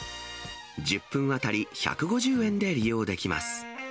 １０分当たり１５０円で利用できます。